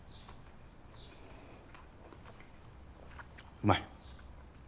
うまい。